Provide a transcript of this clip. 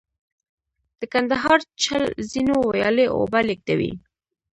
د کندهار چل زینو ویالې اوبه لېږدوي